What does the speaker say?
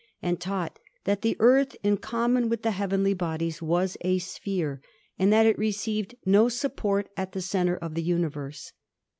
and taught that the Earth, in common with the heavenly bodies, was a sphere and that it received no sup port at the center of the universe.